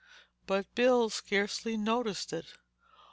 But Bill scarcely noticed it.